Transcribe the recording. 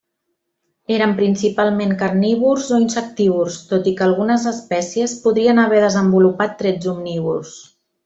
Eren principalment carnívors o insectívors, tot i que algunes espècies podrien haver desenvolupat trets omnívors.